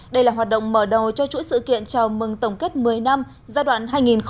đây là hoạt động mở đầu cho chuỗi sự kiện chào mừng tổng kết một mươi năm giai đoạn hai nghìn chín hai nghìn một mươi chín